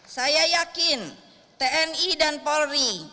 saya yakin tni dan polri